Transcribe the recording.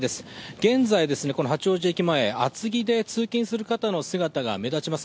現在、この八王子駅前、厚着で通勤する人の姿が目立ちます。